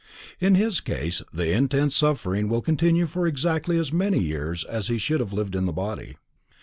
In his case, the intense suffering will continue for exactly as many years as he should have lived in the body.